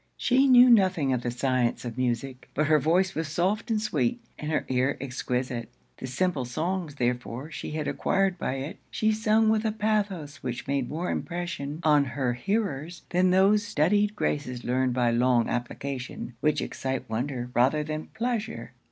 She knew nothing of the science of music; but her voice was soft and sweet, and her ear exquisite. The simple songs, therefore, she had acquired by it, she sung with a pathos which made more impression on her hearers than those studied graces learned by long application, which excite wonder rather than pleasure.